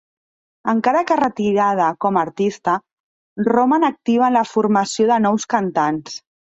Encara que retirada com a artista, roman activa en la formació de nous cantants.